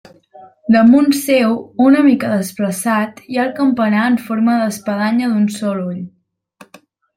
Damunt seu, una mica desplaçat, hi ha el campanar en forma d'espadanya d'un sol ull.